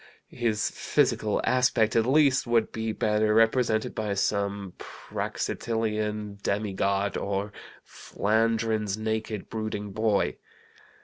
His physical aspect, at least, would be better represented by some Praxitilean demigod or Flandrin's naked, brooding boy.